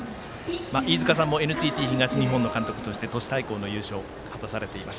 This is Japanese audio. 飯塚さんもＮＴＴ東日本の監督として、都市対抗の優勝を果たされています。